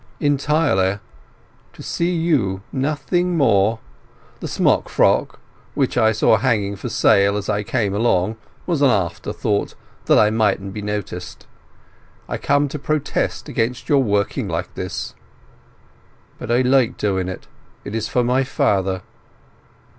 "Entirely. To see you; nothing more. The smockfrock, which I saw hanging for sale as I came along, was an afterthought, that I mightn't be noticed. I come to protest against your working like this." "But I like doing it—it is for my father."